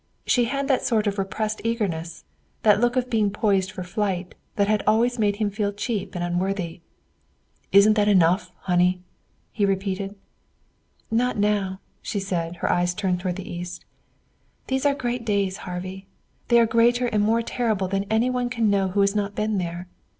She had that sort of repressed eagerness, that look of being poised for flight, that had always made him feel cheap and unworthy. "Isn't that enough, honey?" he repeated. "Not now," she said, her eyes turned toward the east. "These are great days, Harvey. They are greater and more terrible than any one can know who has not been there.